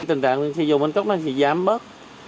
tình trạng xe dù bến cóc này thì giám bớt